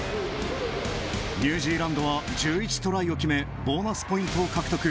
ニュージーランドは１１トライを決めボーナスポイントを獲得。